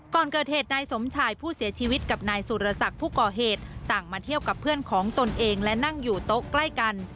ก่อนเกิดเหตุนายสมชายผู้เสียชีวิตกับนายสุรศักดิ์ผู้ก่อเหตุต่างมาเที่ยวกับเพื่อนของตนเองและนั่งอยู่โต๊ะใกล้กัน